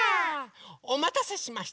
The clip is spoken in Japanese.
おまたせしました。